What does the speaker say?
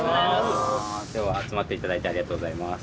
きょうは集まって頂いてありがとうございます。